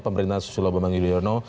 pemerintahan sulawembang yudhoyono